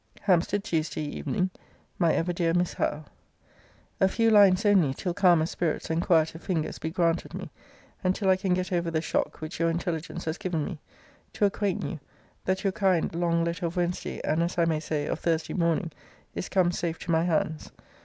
HAMPSTEAD, TUES. EVEN. MY EVER DEAR MISS HOWE, A few lines only, till calmer spirits and quieter fingers be granted me, and till I can get over the shock which your intelligence has given me to acquaint you that your kind long letter of Wednesday, and, as I may say, of Thursday morning, is come safe to my hands.